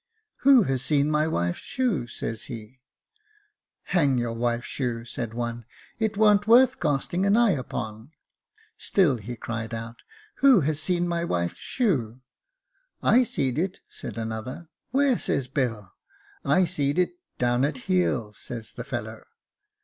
'Who has seen my wife's shoe ?' says he. ' Hang your wife's shoe,' said one, ' it warn't worth casting an eye upon.' Still he cried out, ' Who has seen my wife's shoe ?' 'I seed it,' says another. ' Where ?' says Bill. * I seed it down at heel,' says the fellow.